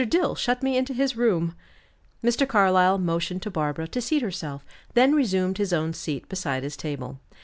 Dill shut me into his room." Mr. Carlyle motioned to Barbara to seat herself, then resumed his own seat, beside his table.